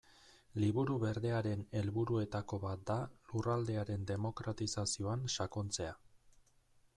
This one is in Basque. Liburu Berdearen helburuetako bat da lurraldearen demokratizazioan sakontzea.